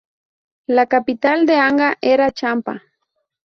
La capital de Anga era Champa.